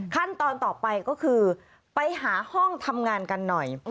ขั้นตอนต่อไปก็คือไปหาห้องทำงานกันหน่อย